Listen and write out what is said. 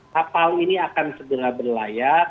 kapal ini akan segera berlayar